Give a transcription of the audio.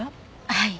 はい。